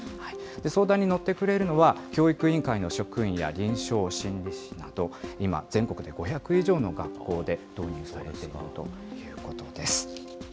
相談に乗ってくれるのは、教育委員会の職員や臨床心理士など、今、全国で５００以上の学校で導入されているということです。